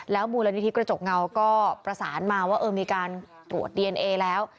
มูลนิธิกระจกเงาก็ประสานมาว่ามีการตรวจดีเอนเอแล้ว